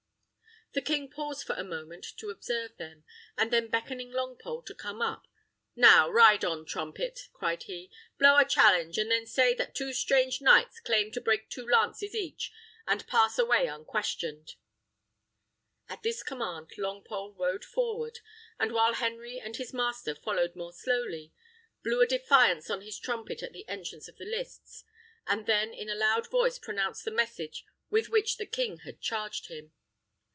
The king paused for a moment to observe them, and then beckoning Longpole to come up, "Now, ride on, trumpet!" cried he; "blow a challenge, and then say that two strange knights claim to break two lances each, and pass away unquestioned." At this command Longpole rode forward, and while Henry and his master followed more slowly, blew a defiance on his trumpet at the entrance of the lists, and then in a loud voice pronounced the message with which the king had charged him.